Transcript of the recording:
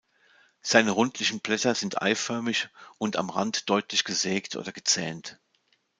Seine rundlichen Blätter sind eiförmig und am Rand deutlich gesägt oder gezähnt.